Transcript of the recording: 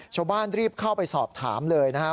ชาวบ้านรีบเข้าไปสอบถามเลยนะครับ